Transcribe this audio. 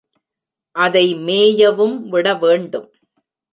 அதை மேயவும் விட வேண்டும்.